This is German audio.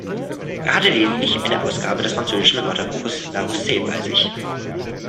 Er hatte lediglich eine Ausgabe des französischen Wörterbuches Larousse bei sich.